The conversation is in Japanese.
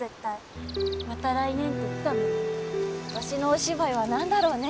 今年のお芝居は何だろうね？